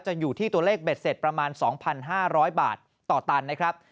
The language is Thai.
อยู่ที่ตัวเลขเบ็ดเสร็จประมาณ๒๕๐๐บาทต่อตันนะครับ